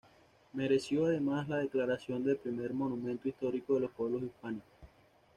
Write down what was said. Mereció además la declaración de Primer Monumento histórico de los pueblos Hispánicos.